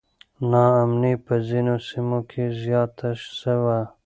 نا امني په ځینو سیمو کې زیاته سوه.